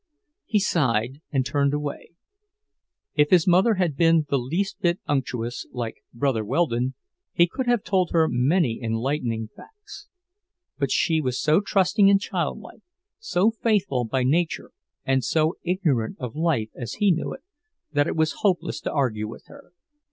He sighed and turned away. If his mother had been the least bit unctuous, like Brother Weldon, he could have told her many enlightening facts. But she was so trusting and childlike, so faithful by nature and so ignorant of life as he knew it, that it was hopeless to argue with her.